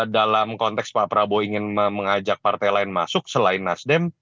dalam konteks pak prabowo ingin mengajak partai lain masuk selain nasdem